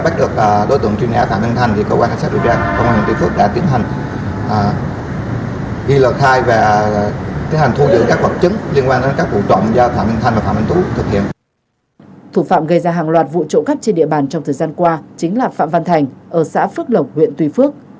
trong thời gian qua chính là phạm văn thành ở xã phước lộc huyện tuy phước